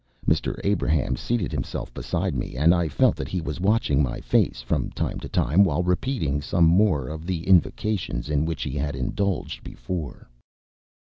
Mr. Abrahams seated himself beside me, and I felt that he was watching my face from time to time while repeating some more of the invocations in which he had indulged before.